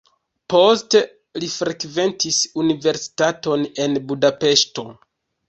Poste li frekventis universitaton en Budapeŝto.